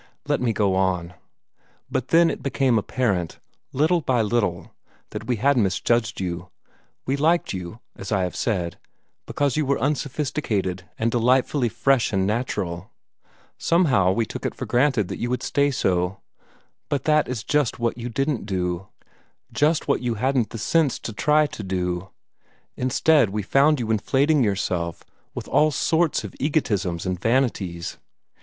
"Let me go on. But then it became apparent, little by little, that we had misjudged you. We liked you, as I have said, because you were unsophisticated and delightfully fresh and natural. Somehow we took it for granted you would stay so. Rut that is just what you didn't do just what you hadn't the sense to try to do. Instead, we found you inflating yourself with all sorts of egotisms and vanities.